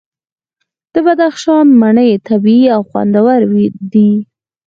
د بدخشان مڼې طبیعي او خوندورې دي.